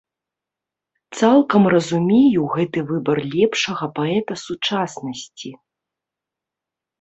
Цалкам разумею гэты выбар лепшага паэта сучаснасці.